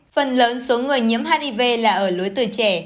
phần lớn số người nhiễm hiv là ở lối tuổi trẻ